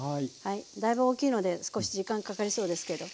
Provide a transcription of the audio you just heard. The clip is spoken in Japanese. だいぶ大きいので少し時間かかりそうですけど。